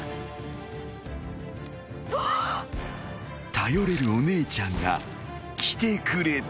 ［頼れるお姉ちゃんが来てくれた］